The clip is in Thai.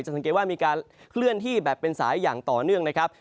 สังเกตว่ามีการเคลื่อนที่แบบเป็นสายอย่างต่อเนื่องนะครับ